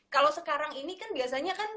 kalau sekarang ini kan biasanya kan